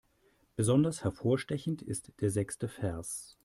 Besonders hervorstechend ist der sechste Vers.